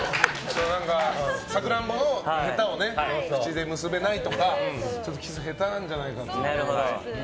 サクランボのへたを口で結べないとかキスが下手なんじゃないかって。